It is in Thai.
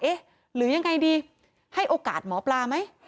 หรือยังไงดีให้โอกาสหมอปลาไหม